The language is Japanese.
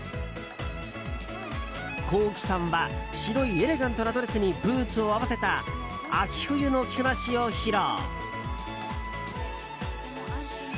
Ｋｏｋｉ，さんは白いエレガントなドレスにブーツを合わせた秋冬の着こなしを披露。